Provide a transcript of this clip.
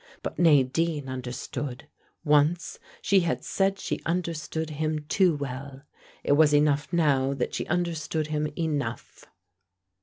But Nadine understood: once she had said she understood him too well. It was enough now that she understood him enough.